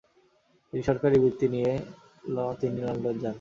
তিনি সরকারি বৃত্তি নিয়ে তিনি লন্ডন যান।